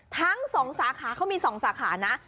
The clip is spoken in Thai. ทั้งสองสาขาเขามีสองสาขานะ